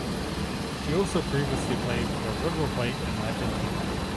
She also previously played for River Plate in Argentina.